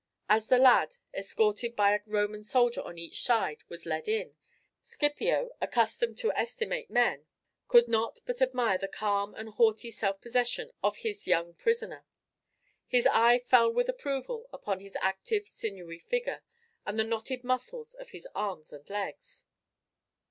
As the lad, escorted by a Roman soldier on each side, was led in, Scipio, accustomed to estimate men, could not but admire the calm and haughty self possession of his young prisoner. His eye fell with approval upon his active sinewy figure, and the knotted muscles of his arms and legs.